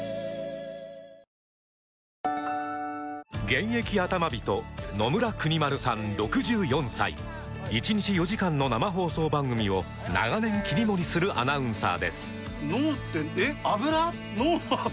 現役アタマ人野村邦丸さん６４歳１日４時間の生放送番組を長年切り盛りするアナウンサーです